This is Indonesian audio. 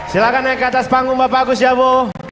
silahkan naik ke atas panggung bapak prabowo